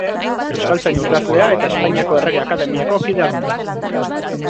Euskaltzain urgazlea eta Espainiako Errege Akademiako kide arrunta.